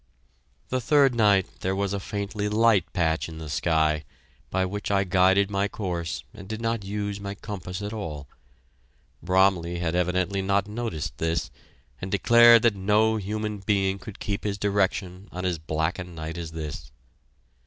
The third night there was a faintly light patch in the sky, by which I guided my course and did not use my compass at all. Bromley had evidently not noticed this, and declared that no human being could keep his direction on as black a night as this.